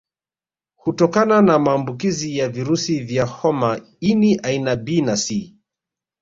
Hutokana na maambukizi ya virusi vya homa ini aina B na C